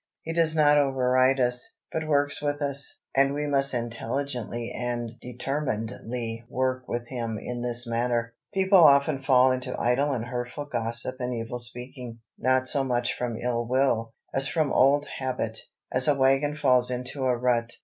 He does not override us, but works with us; and we must intelligently and determinedly work with Him in this matter. People often fall into idle and hurtful gossip and evil speaking, not so much from ill will, as from old habit, as a wagon falls into a rut.